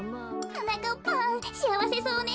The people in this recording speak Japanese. はなかっぱんしあわせそうね。